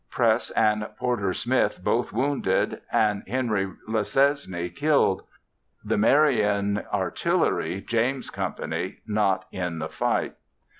Press and Porcher Smith both wounded and Henry Lesesne killed. The Marion Artillery (James's company) not in the fight.